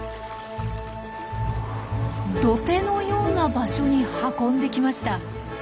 土手のような場所に運んできました。